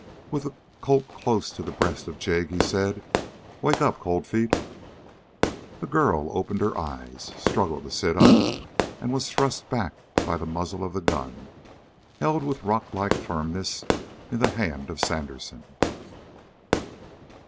With the Colt close to the breast of Jig, he said: "Wake up, Cold Feet!" The girl opened her eyes, struggled to sit up, and was thrust back by the muzzle of the gun, held with rocklike firmness in the hand of Sandersen.